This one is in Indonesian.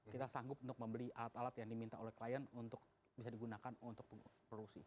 kita sanggup untuk membeli alat alat yang diminta oleh klien untuk bisa digunakan untuk produksi